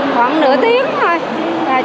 khoảng nửa tiếng thôi